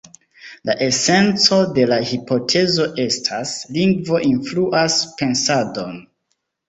La esenco de la hipotezo estas: "lingvo influas pensadon".